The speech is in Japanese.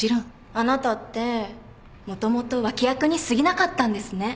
あなたってもともと脇役にすぎなかったんですね。